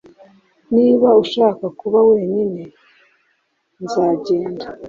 Niba ushaka kuba wenyine, nzagenda.